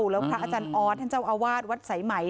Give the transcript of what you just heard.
แล้วพระอาจารย์ออสท่านเจ้าอาวาสวัดสายไหม